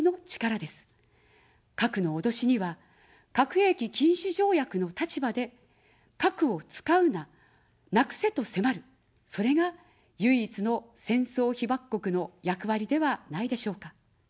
核の脅しには、核兵器禁止条約の立場で、核を使うな、なくせと迫る、それが唯一の戦争被爆国の役割ではないでしょうか。